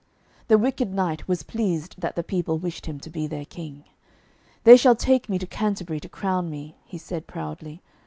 The wicked knight was pleased that the people wished him to be their King. 'They shall take me to Canterbury to crown me,' he said proudly.